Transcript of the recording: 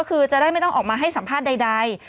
คือจะได้ไม่ต้องออกมาให้สัมภาษณ์ใด